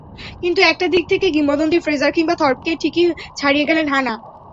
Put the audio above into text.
কিন্তু একটা দিক থেকে কিংবদন্তি ফ্রেজার কিংবা থর্পকে ঠিকই ছাড়িয়ে গেলেন হানা।